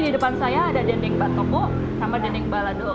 di depan saya ada dendeng batoko sama dendeng balado